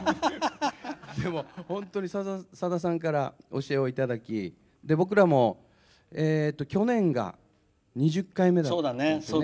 でも、本当にさださんから教えをいただき僕らも、去年が２０回目だったんですよ。